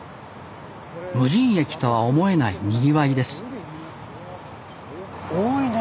無人駅とは思えないにぎわいです多いね